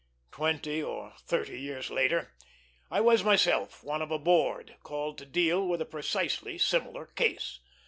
Twenty or thirty years later, I was myself one of a board called to deal with a precisely similar case.